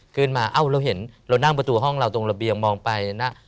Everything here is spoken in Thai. เอ้าเราเห็นเรานั่งประตูห้องเราตรงระเบียงมองไปนะ